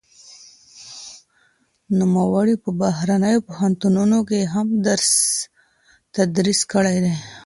نوموړي په بهرنيو پوهنتونونو کې هم تدريس کړی دی.